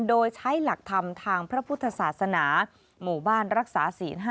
โดยใช้หลักธรรมทางพระพุทธศาสนาหมู่บ้านรักษาศีล๕